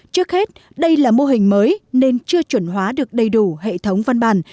trước hết đây là mô hình mới nên chưa chuẩn hóa được đầy đủ hệ thống văn bản